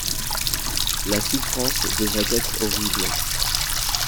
La souffrance devait être horrible.